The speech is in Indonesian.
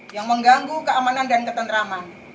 yang mengganggu keamanan dan ketentraman